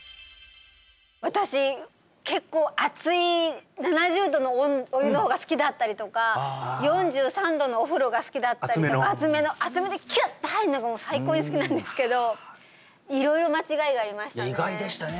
私結構熱い７０度のお湯の方が好きだったりとか４３度のお風呂が好きだったりとか熱めでキュッて入るのがもう最高に好きなんですけど色々間違いがありましたね